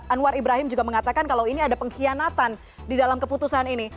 anwar ibrahim juga mengatakan kalau ini ada pengkhianatan di dalam keputusan ini